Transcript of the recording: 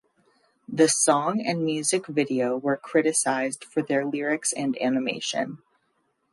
The song and music video were criticized for their lyrics and animation.